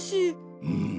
うん。